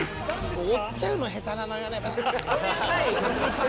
「追っちゃうの下手なのよね」